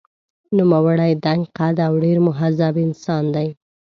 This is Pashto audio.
نوموړی دنګ قد او ډېر مهذب انسان دی.